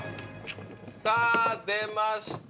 さぁ出ました